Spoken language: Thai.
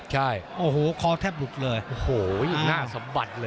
ใช่โอ้โหคอแทบหลุดเลยโอ้โหหน้าสมบัติเลย